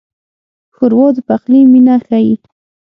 ښوروا د پخلي مینه ښيي.